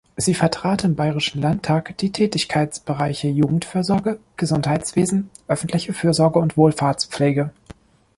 Sie vertrat im Bayerischen Landtag die Tätigkeitsbereiche Jugendfürsorge, Gesundheitswesen, öffentliche Fürsorge und Wohlfahrtspflege.